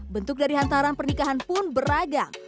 bentuk dari hantaran pernikahan pun beragam